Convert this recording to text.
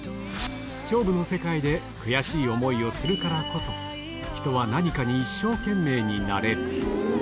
勝負の世界で悔しい思いをするからこそ、人は何かに一生懸命になれる。